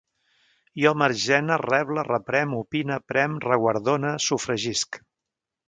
Jo margene, reble, reprem, opine, prem, reguardone, sofregisc